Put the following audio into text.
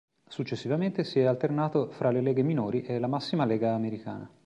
Successivamente si è alternato fra le leghe minori e la massima lega americana.